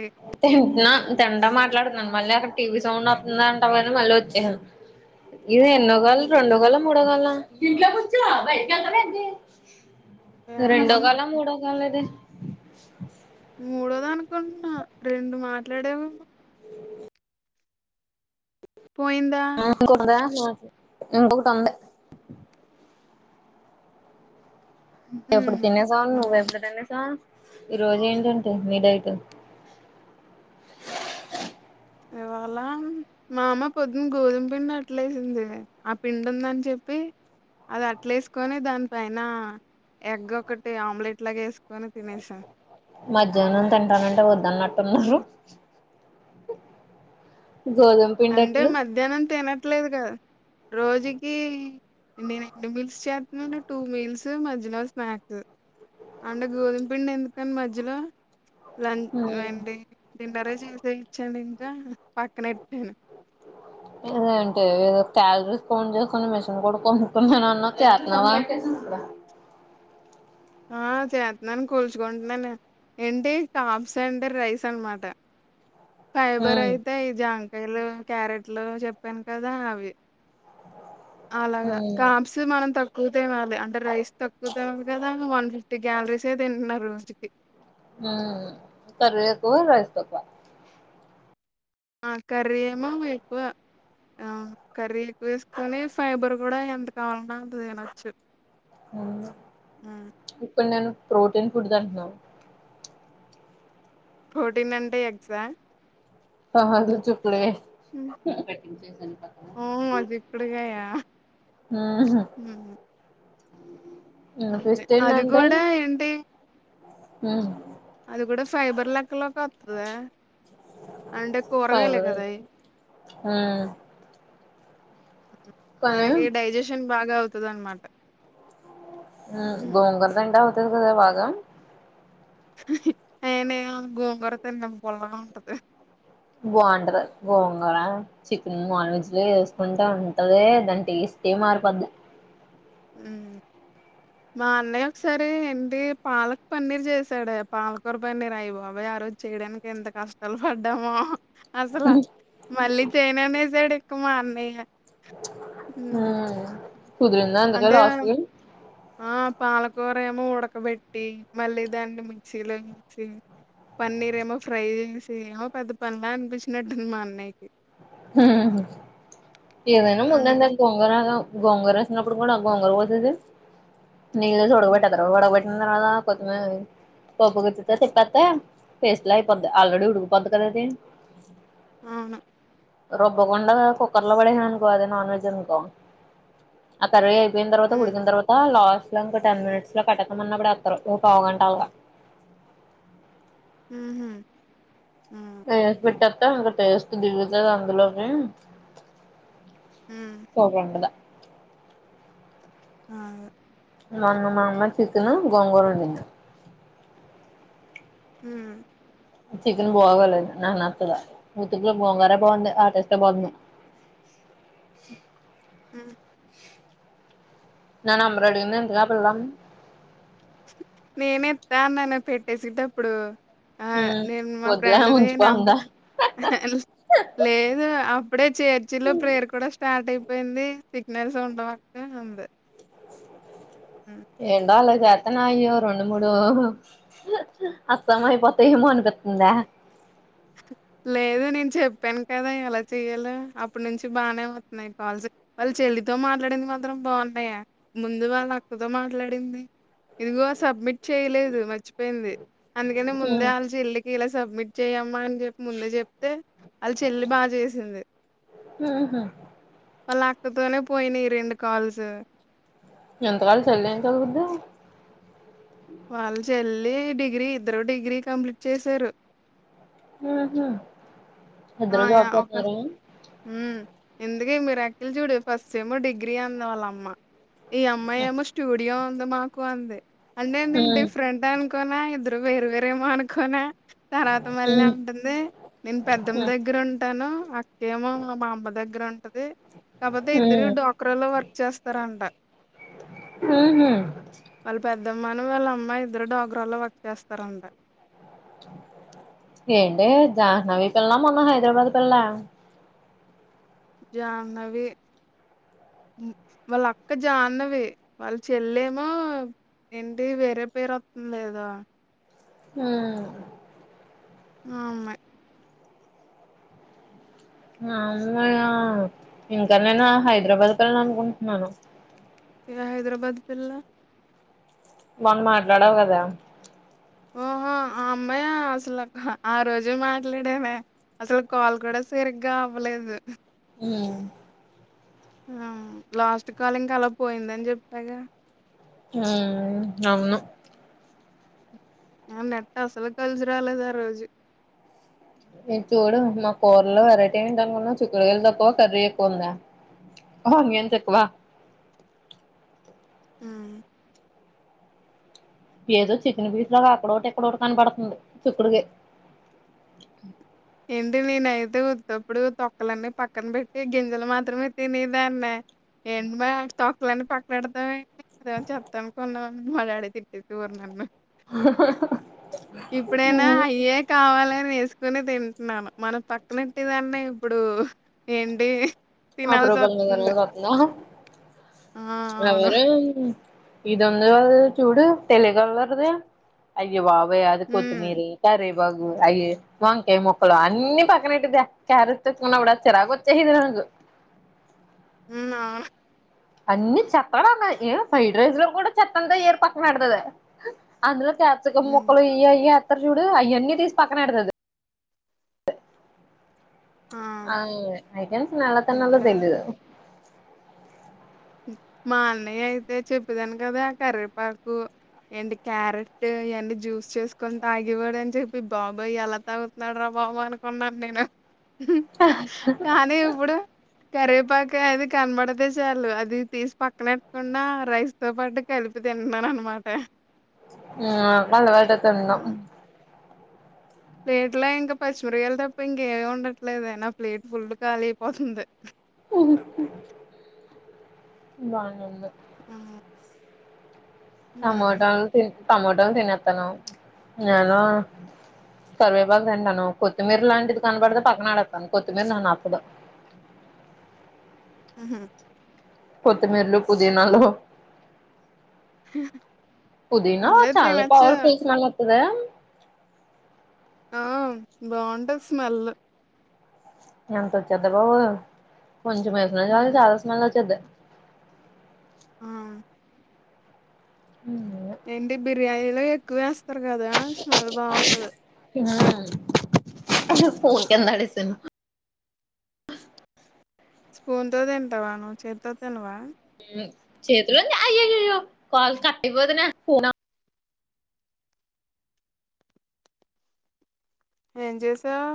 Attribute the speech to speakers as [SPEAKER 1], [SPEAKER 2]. [SPEAKER 1] ఏ
[SPEAKER 2] తిన్ట్నా తింటా మాట్లాడ్ మళ్ళీ అక్కడ టీవి సౌండ్ వత్తుందా అంటవ్ అని మళ్ళీ ఒచ్చేసాను. ఇద్ ఎన్నో కాల్ రెండో కాలా ముడో కాలా రెండో
[SPEAKER 1] ఏమోనా
[SPEAKER 2] కాలా ముడో కాలా ఇది
[SPEAKER 1] మూడోద్ అనుకుంట్న రెండు మాట్లడవ్ పొయిందా
[SPEAKER 2] ఎందుకు టండే ఎప్పుడు
[SPEAKER 1] ఉహు
[SPEAKER 2] తినేసవు
[SPEAKER 1] ఉమ్
[SPEAKER 2] నువ్వెప్పుడు తినేసవు ఈ రొజు ఏంటంటే మీ డైట్
[SPEAKER 1] ఇవాళ మా అమ్మ పొద్దున్న గోధుమ్ పిండ్ అట్లేసింది ఆ పిండుందన్ చెప్పి అద్ అట్లేస్కొని దాన్ పైనా ఎగ్ ఒకటి ఆమ్లెట్లాగ ఏస్కొని తినేసా.
[SPEAKER 2] మధ్యాహ్నం తింటాన్నంటే వద్దన్నట్టున్నారు గోధుమ
[SPEAKER 1] అంటే
[SPEAKER 2] పిండట్లు
[SPEAKER 1] మధ్యాహ్నం తినట్లేదుగా రోజుకీ ఎండినయ్ ను మీల్స్ చేత్నవ్ టూ మీల్స్ మధ్యలో స్నాక్స్ అంటే గోధుమ్ పిండి ఎందుకని మధ్యలో లం ఏంటి డిన్నరే చేసేయచ్చని ఇంక పక్కన్ ఎట్టను
[SPEAKER 2] ఇదేంటో ఏదో క్యాల్రీస్ కౌంట్ చేసె మిషన్ గుడ కొనుకున్నానన్నవ్ చేత్తన్నావా [inaudible]
[SPEAKER 1] [inaudible] ఆ చేత్తున్నాన్ కూల్చుకుంటున్నాను. ఏంటి కాప్స్ అండ్ రైస్ అన్మాట ఫైబర్
[SPEAKER 2] ఉమ్
[SPEAKER 1] అయితే ఈ జాం కాయలు, క్యారెట్లు చెప్పాన్ కదా అవి అలాగ
[SPEAKER 2] ఉమ్
[SPEAKER 1] కాప్స్ మనం తక్కువ తినాలి అంటే రైస్ తక్కువ తినాల్ గ వన్ ఫిఫ్టీ గ్యాల్రీసే తింటున్న రోస్ట్కి
[SPEAKER 2] మ్ కర్రీ ఎక్కువ రైస్ తక్కువ.
[SPEAKER 1] ఆ కర్రీ ఏమో ఎక్కువ అవును కర్రీ ఎక్కో ఏస్కొని ఫైబర్ గుడ ఎంత కావలంటే అంత తినచ్చు.
[SPEAKER 2] ఇప్పుడ్ నేను ప్రోటీన్ ఫుడ్ తింటున్న
[SPEAKER 1] ప్రొటీన్ అంటే ఎగ్సా
[SPEAKER 2] కాదు చు లే
[SPEAKER 1] ఓ చిక్కుడుకాయ
[SPEAKER 2] మ్ హ్ నిన్న
[SPEAKER 1] అదే
[SPEAKER 2] ట్విస్ట్
[SPEAKER 1] అది
[SPEAKER 2] ఏందంటే
[SPEAKER 1] కూడా ఏంటి అది గుడ ఫైబర్ లెక్కలోక్ ఒత్తదే అంటే కుర్గాయలే
[SPEAKER 2] ఫైబర్
[SPEAKER 1] కదా అయి
[SPEAKER 2] కానీ
[SPEAKER 1] మనకి డైజెషన్ బాగ అవుతదన్మాట.
[SPEAKER 2] మ్ గోంగూర తింటావ [unintelligible]
[SPEAKER 1] నేనేం గోంగూర తిన్ను పుల్లగుంటది.
[SPEAKER 2] బాగుంటద్ గోంగూర చికెన్ నాన్ వెజ్లో ఎస్కుంటే ఉంటదే దాన్ టేస్ టే మార్పోద
[SPEAKER 1] ఉమ్ మా అన్నయ్య ఒక్సారి ఏంటి పాలక్ పన్నీర్ చేసాడే పాలకూర పన్నీర్ అయ్ బాబోయ్ ఆ రోజ్ చెయ్యడానిక్ ఎంత కష్టాల్ పడ్డామో అసల మళ్ళీ చేయననేసాడ్ ఇక మా అన్నయ్య మ్
[SPEAKER 2] కుదిరిందా అందుకే
[SPEAKER 1] అంటే
[SPEAKER 2] లాస్ట్
[SPEAKER 1] మనం
[SPEAKER 2] కి
[SPEAKER 1] ఆ పాలకూర్ మేము ఉడకబెట్టి మల్లి దాన్ని మిక్సిలో నుంచి పన్నీర్ ఏమో ఫ్రై జేసి ఏమో పెద్ద పన్లా అన్పించినట్టుంది మా అన్నయ్యకి
[SPEAKER 2] ఉ హు ఏదైన ముందండి
[SPEAKER 1] అందుకే
[SPEAKER 2] అది గొంగర గొంగర ఏసినప్పుడు గుడ గోంగూర పచ్చడి నీదయితే
[SPEAKER 1] హ్మ్,
[SPEAKER 2] ఓడగొటత్తరు [unintelligible] తరువాత కొతిమీరు అవి పప్పుగుతితొ తిప్పేతే పేస్ట్ల అయిపొది ఆల్రెడీ ఉడిగి పొదిగ అది
[SPEAKER 1] ఔను
[SPEAKER 2] రుబ్బకుండ కుక్కర్లో పడేసామనుకో అదే నాన్ వెజ్ అనుకో ఆ కర్రీ అయి పోయిన్ తరువాత
[SPEAKER 1] హ్మ్
[SPEAKER 2] ఉడికిన్ తర్వాత లాస్ట్ లో ఇంక టెన్ మినిట్స్లో కటకమన్నప్పుడు ఏత్తరు ఓ పావుగంట అలగ
[SPEAKER 1] మ్ హ్
[SPEAKER 2] వేసి పెట్టత్తా ఇంకా టేస్ట్ దిగుతది అందులోకి
[SPEAKER 1] హ్మ్
[SPEAKER 2] [unintelligible]
[SPEAKER 1] ఆగు
[SPEAKER 2] మొన్న మా అమ్మ చికెను గోంగోర వండింది
[SPEAKER 1] ఉమ్
[SPEAKER 2] చికెన్ బాగలేదు నాక్ నచ్చలే ఉతుకె గోంగూరే బాగుంది ఆ టేస్టే బాగుంది
[SPEAKER 1] ఉమ్
[SPEAKER 2] నా నెంబర్ అడిగింది ఏంటి ఆ పిల్ల
[SPEAKER 1] నేనే ఇత్తా అన్న పెట్టేసిటప్పుడు ఆ
[SPEAKER 2] ఉమ్
[SPEAKER 1] నేను మా
[SPEAKER 2] వద్దులే
[SPEAKER 1] ఫ్రెండ్ ది
[SPEAKER 2] ఉంచుకో
[SPEAKER 1] నమ్
[SPEAKER 2] అందా
[SPEAKER 1] లేదు అప్పుడే చర్చిలో ప్రేయర్ కూడా స్టార్ట్ అయిపో పోయింది సిగ్నల్స్ ఉండవక్క అంది హ్మ్
[SPEAKER 2] ఏండాలేద్ గతనాయ్యో రెండు మూడు అస్సాం అయిపోతాయమో అనిపితుందె
[SPEAKER 1] లేదు నేను చెప్పాను కదా ఎలా చెయలో అప్పటి నుంచి బానే అవుతున్నాయి కాల్ వాళ్ళు చె ళ్లితో మాట్లాడింది మాత్రం బాగున్నాయా ముందు వాళ్ళక్కతో మాట్లాడింది ఇదిగో సబ్మిట్ చేయలేదు మర్చిపోయింది అందుకనే ముందే
[SPEAKER 2] ఉమ్
[SPEAKER 1] ఆళ్ళ చెల్లికి ఇలా సబ్మిట్ చెయ్యమ్మా అన్ చెప్ ముందే చెప్తే వాళ్ళ చెల్లి బాగా చేసింది
[SPEAKER 2] ఉహు
[SPEAKER 1] వాళ్ళ అక్కతోనే పోయినయి రెండు కాల్స్
[SPEAKER 2] ఇంత వాళ్ళ చెల్లెం చదువుద్ది
[SPEAKER 1] వాళ్ళ చెల్లి డిగ్రీ ఇద్దరు డిగ్రీ కంప్లీట్ చేసారు
[SPEAKER 2] ఆహా ఇద్దరూ జాబ్ చెత్తారా
[SPEAKER 1] ఎందుకే మిరాకిల్ చూడూ ఫస్టమో డిగ్రీ అంది ఆలమ్మ ఈ అమ్మాయేమో స్టూడియో ఉంది మాకు అంది అంటే నేన్
[SPEAKER 2] ఉమ్
[SPEAKER 1] డిఫరెంట్ అని కోనా ఇద్దరు వేరు వేరేమోనుకోనా తర్వాత
[SPEAKER 2] ఉమ్
[SPEAKER 1] మళ్ళంటుంది నేను పెద్ ద్దం దగ్గరుంటాను అక్కేమో మా మామా దగ్గరుంటది కాకపోతే ఇద్దరు
[SPEAKER 2] ఉమ్
[SPEAKER 1] డాక్ర లో వర్క్ చేస్తారంట
[SPEAKER 2] ఉహు
[SPEAKER 1] ద మను వాళ్ళ అమ్మాయి ఇద్దరు డాగ్రాల్లో వర్క్ చేస్తారంట
[SPEAKER 2] ఏంటి జాహ్నవి పిల్ల మొన్న హైదరాబాద్ పిల్లా
[SPEAKER 1] జాహ్నవి ఉ వాళ్ళక్క జాన్నవీ వాళ్ళ చెల్లేమో ఇంటి వేరే పేరొత్తుంది కదా
[SPEAKER 2] ఉమ్
[SPEAKER 1] ఆ అమ్మాయ్
[SPEAKER 2] ఆ అమ్మాయా ఇంకా నేను హైదరాబాద్ పిళ్లనుకుంటున్నాను
[SPEAKER 1] ఏ హైదరాబాద్ పిల్ల
[SPEAKER 2] మొన్న మాట్లడావు కదా
[SPEAKER 1] ఓహో ఆ అమ్మాయా అసలు ఆ రోజు మాట్లాడేమే అసలు కాల్ కూడా సరిగ్గా అవ్వలేదు.
[SPEAKER 2] ఉమ్
[SPEAKER 1] ఆ లాస్ట్ కాల్ ఇంకా అలా పోయిందని చెప్పాగా
[SPEAKER 2] ఉమ్ అవును
[SPEAKER 1] ఆ నెట్ అసలు కలిసి రాలేదు ఆ రోజు
[SPEAKER 2] ఇట్ చూడు మా కూరల్లో వెరైటీ ఏంటి అనుకున్నా చిక్కుడుగాయలు తక్కువ కర్రీ ఎక్కువ ఉందా ఆనియన్స్ ఎక్కువ
[SPEAKER 1] ఉ
[SPEAKER 2] ఏదో చికెన్ పీస్ లాగా అక్కడోకటి, ఇక్కడోటి కనపడుతుంది చిక్కుడుగయ్
[SPEAKER 1] ఏంటి నేనైతే ఉత్తప్పుడు తొక్కలన్నీ పక్కన పెట్టి గింజలు మాత్రమే తినేదాన్నే. ఏంటి మాయ తొక్లన్ని పక్కన ఏడతావేంటి చ చెప్తా అనుకున్నాండి మా డాడీ తిట్టేసోర్ నన్ను ఇప్పుడైనా అయ్యే కావాలని ఏస్క్ కుని తింటున్నాను మనం పక్కనేట్టే దాన్ని ఇప్పుడు ఏంటి తినాల్సొస్తుంది.
[SPEAKER 2] [unintelligible]
[SPEAKER 1] ఆ అవును
[SPEAKER 2] ఎవరేం ఇదుందిగ చూడు తెలిగళ్లరుది అయ్య బాబ్ ఓయే అది
[SPEAKER 1] హ్మ్
[SPEAKER 2] కొత్తిమీరి కరేపా పాకు అయ్యే వంకాయ ముక్కలు అన్ని పక్కనెట్టిది క్యారెట్ తెచ్కున్న గూడా చిరాకు వచ్చేసేది నాకు.
[SPEAKER 1] మ్న్నా
[SPEAKER 2] అన్ని చెత్త అన్న ఏ ఫ్రైడ్ రైస్ లో కూడా చెత్తంత ఏర్ పక్కనడతది అందులో కాప్సికుం
[SPEAKER 1] హ్మ్.
[SPEAKER 2] ముక్కలు ఇయ్ అయ్య ఎతర్ జుడు అయ్యన్ని తీసి పక్కనేడ్తది. ఆ ఐతేన్స్ నలతన్నలో
[SPEAKER 1] ఎప్పుడా?
[SPEAKER 2] తెలీదు
[SPEAKER 1] మా అన్నయైతే చెప్పేదాన్ కదా కర్వెపాకు ఏంటి క్యారెట్ ఇయన్ని జ్యూస్ చేసుకోన్ తాగేవాడ్ అని చెప్పి బాబాయ్ ఎలా తాగుతున్నాడ్ రా బాబ్ అనుకున్నాన్ నేను హు కానీ ఇప్పుడు కరవేపాక అది కనబడితే చాలు అది అది తీస్ పక్కనెట్టకుండా రైస్ తో పాటు కలిపి తింటునన్ అనమాట.
[SPEAKER 2] ఆ అలవాటే తిన్ను
[SPEAKER 1] ప్లేట్లా ఇంకా పచ్చిమిరగాయల్ తప్ప ఇంకేమి ఉండట్లేదయినా ప్లేట్ ఫుల్ కాలీ అయిపోతుంది.
[SPEAKER 2] ఉహు బానుంది.
[SPEAKER 1] ఆ హ్మ్.
[SPEAKER 2] టమాటల్ తిన్ టమాటల్ తినేత్తున నేను కర్వేపాకు తింటాను. కొత్తిమీర లాంటిది కనబడితే పక్కనడేతను కొత్తిమీర నాకు నచ్చదు.
[SPEAKER 1] ఉహు
[SPEAKER 2] కొత్తిమీరలు, పుదినాలు పుదినా
[SPEAKER 1] పర్లేదు
[SPEAKER 2] చలా
[SPEAKER 1] తినొచ్చు
[SPEAKER 2] పర్ఫుల్స్ నాకు ఉన్నాయా
[SPEAKER 1] ఆ బావుంటద్ స్మెల్
[SPEAKER 2] ఎంత వచ్చేద్దె బాబు కొంచం వేసిన చాలు చాలా స్మెల్ వచ్చేది.
[SPEAKER 1] ఆ
[SPEAKER 2] ఉమ్
[SPEAKER 1] ఏంటి బిర్యానీలో ఎక్కువేస్తారు గాదా స్మెల్ బా అవుత్తది.
[SPEAKER 2] ఉమ్ స్పూన్ కింద ఆడేసింది.
[SPEAKER 1] స్పూన్ తో తింటావా, నువు చేతితో తినవా?
[SPEAKER 2] ఉమ్ చేతులుంది అయ్యయయ్యో కాల్ కట్టెయ్ వదిన ఫోన
[SPEAKER 1] ఏం చేసావ్?